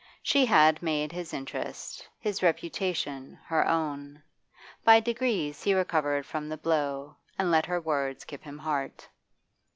She had made his interest, his reputation, her own. By degrees he recovered from the blow, and let her words give him heart.